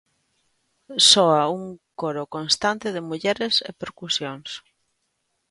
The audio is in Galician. Soa un coro constante de mulleres e percusións.